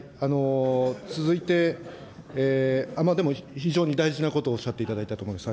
続いて、でも、非常に大事なことをおっしゃっていただいたと思います。